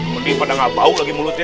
mending pada gak bau lagi mulutnya